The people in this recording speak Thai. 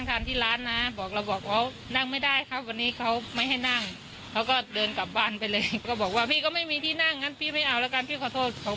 ก็บอกว่าพี่ก็ไม่มีที่นั่งงั้นพี่ไม่เอาแล้วกันพี่ขอโทษ